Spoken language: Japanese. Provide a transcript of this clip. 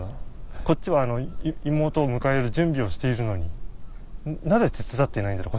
こっちは妹を迎える準備をしているのになぜ手伝っていないんだろう？